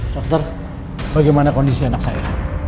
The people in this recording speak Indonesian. dokter bagaimana kondisi anak saya